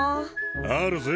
あるぜ。